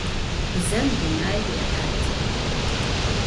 Bzem dunair yê'etı.